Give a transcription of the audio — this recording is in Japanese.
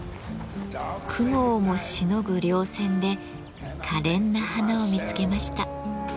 雲をもしのぐ稜線でかれんな花を見つけました。